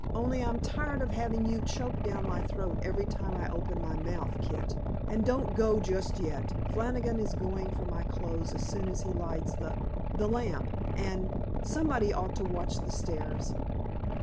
"Only I'm tired of having you choked down my throat every time I open my mouth, Kit. And don't go just yet. Flannigan is going for my clothes as soon as he lights the the lamp, and somebody ought to watch the stairs."